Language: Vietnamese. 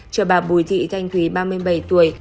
cho bà bùi thị thanh thúy ba mươi bảy tuổi